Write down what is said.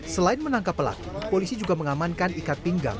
selain menangkap pelaku polisi juga mengamankan ikat pinggang